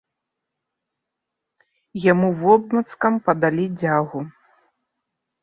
Яму вобмацкам падалі дзягу.